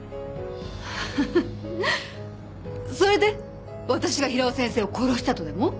ハハッそれで私が平尾先生を殺したとでも？